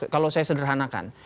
kalau saya sederhanakan